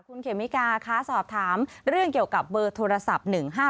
คุณเขมิกาคะสอบถามเรื่องเกี่ยวกับเบอร์โทรศัพท์๑๕๗